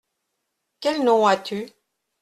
Quel nom as-tu ?